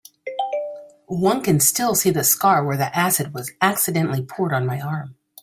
One can still see the scar where the acid was accidentally poured on my arm.